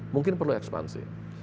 mungkin perlu ekspansi